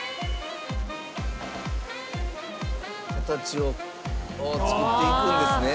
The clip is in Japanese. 形を作っていくんですね。